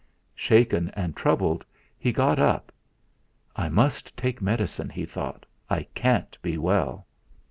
Shaken and troubled, he got up. 'I must take medicine,' he thought; 'I can't be well.'